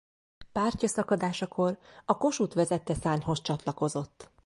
Pártja szakadásakor a Kossuth vezette szárnyhoz csatlakozott.